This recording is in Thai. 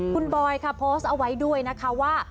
คุณบอยค่ะโพสต์เอาไว้ด้วยนะคะว่า